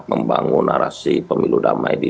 membangun narasi pemilu damai di